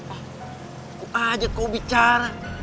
aku ajak kau bicara